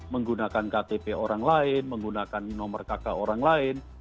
menggunakan ktp orang lain menggunakan nomor kk orang lain